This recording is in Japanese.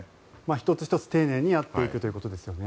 １つ１つ丁寧にやっていくということですよね。